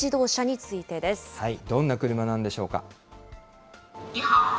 どんな車なんでしょうか。